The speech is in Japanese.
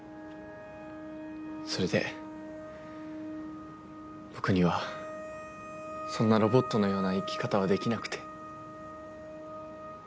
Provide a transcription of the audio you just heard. それで僕にはそんなロボットのような生き方はできなくて。